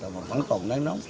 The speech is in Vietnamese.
và vẫn còn nắng nóng